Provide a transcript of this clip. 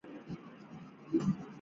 尚旺的总面积为平方公里。